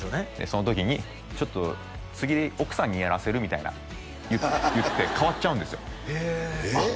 その時に「ちょっと次奥さんにやらせる」みたいな言って代わっちゃうんですよへえあっ